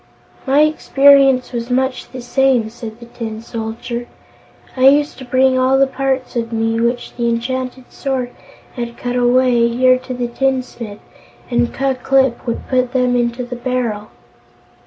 "My experience was much the same," said the Tin Soldier. "I used to bring all the parts of me, which the enchanted sword had cut away, here to the tinsmith, and Ku Klip would put them into the barrel."